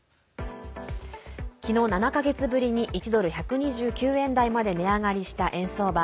昨日、７か月ぶりに１ドル＝１２９円台まで値上がりした円相場。